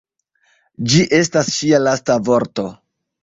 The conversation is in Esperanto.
Ĝi estis ŝia lasta vorto.